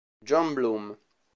John Bloom